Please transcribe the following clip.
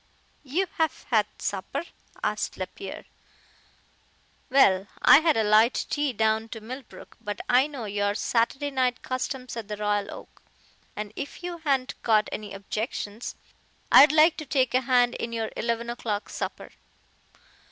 "You haf had supper?" asked Lapierre. "Well, I had a light tea down to Millbrook, but I know your Saturday night customs at the Royal Oak, and if you hain't got any objections I'd like to take a hand in your eleven o'clock supper.